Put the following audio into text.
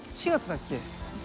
４月だっけ？